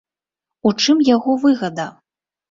У чым яго выгада?